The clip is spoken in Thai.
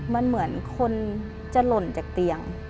มันเหมือนคนจะหล่นจากเตียง